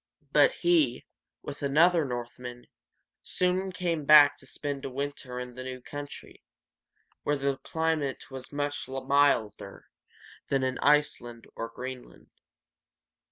But he, with another Northman, soon came back to spend a winter in the new country, where the climate was much milder than in Iceland or Greenland.